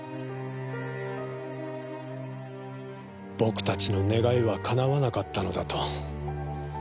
僕たちの願いはかなわなかったのだと。